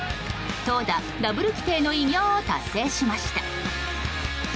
投打ダブル規定の偉業を達成しました。